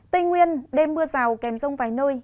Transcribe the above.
tây nguyên đêm mưa rào kèm rông vài nơi